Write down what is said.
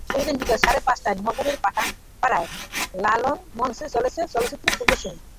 প্রতিদিন বিকেল সাড়ে পাঁচটায় নগরের পাঠানপাড়ার লালন মঞ্চে চলছে চলচ্চিত্র প্রদর্শনী।